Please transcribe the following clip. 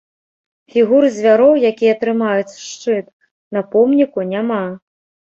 Фігур звяроў, якія трымаюць шчыт, на помніку няма.